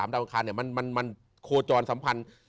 ดาวอังคารมันโคจรสัมพันธ์